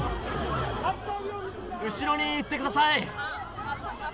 後ろに行ってください。